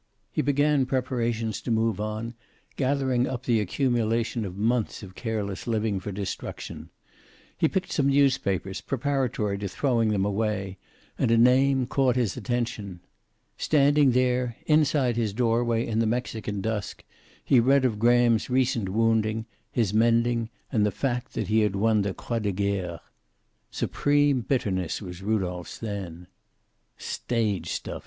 He began preparations to move on, gathering up the accumulation of months of careless living for destruction. He picked up some newspapers preparatory to throwing them away, and a name caught his attention. Standing there, inside his doorway in the Mexican dusk, he read of Graham's recent wounding, his mending, and the fact that he had won the Croix de Guerre. Supreme bitterness was Rudolph's then. "Stage stuff!"